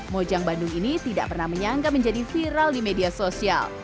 mojang bandung ini tidak pernah menyangka menjadi viral di media sosial